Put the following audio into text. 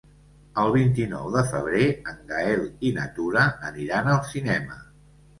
El vint-i-nou de febrer en Gaël i na Tura aniran al cinema.